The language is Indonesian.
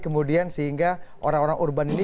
kemudian sehingga orang orang urban ini